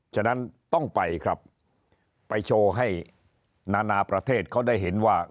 ฉะนั้นต้องไปครับไปโชว์ให้นานาประเทศเขาได้เห็นว่า